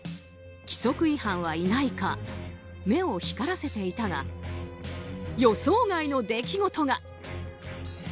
規則違反はいないか目を光らせていたが予想外の出来事が。